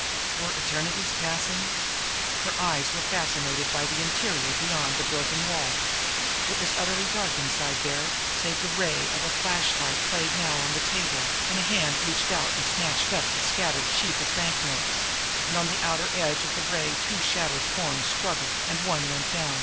Were eternities passing? Her eyes were fascinated by the interior beyond that broken door. It was utterly dark inside there, save that the ray of a flashlight played now on the table, and a hand reached out and snatched up a scattered sheaf of banknotes; and on the outer edge of the ray two shadowy forms struggled and one went down.